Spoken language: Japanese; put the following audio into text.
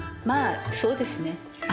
まあそうですね。